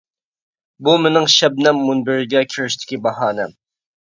بۇ مېنىڭ شەبنەم مۇنبىرىگە كىرىشتىكى باھانەم!